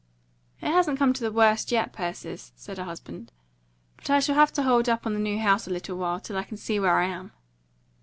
"It hasn't come to the worst yet, Persis," said her husband. "But I shall have to hold up on the new house a little while, till I can see where I am."